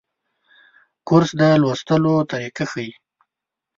کورس د لوستلو طریقه ښيي.